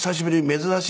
珍しい。